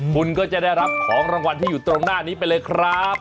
คุณก็จะได้รับของรางวัลที่อยู่ตรงหน้านี้ไปเลยครับ